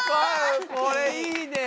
これいいね。